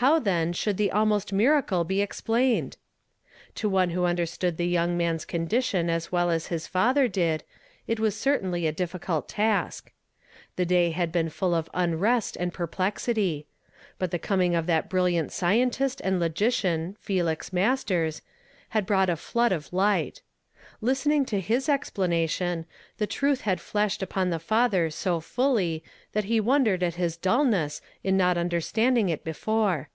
How, then, should the almost miracle be explained ? To one who understood the young man's condition as well as his father did, it was certainly a difficult task. The day had been full of unrest and per plexity ; but the coming of that brilliant scientist and logician, Felix Mastera, had brought a flood of light. Listening to his explanation, the truth had flashed upon the father so fully that he wondered at his dulness in not undei standing it before.